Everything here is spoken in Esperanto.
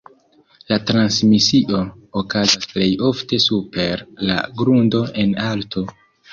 La transmisio okazas plej ofte super la grundo en alto.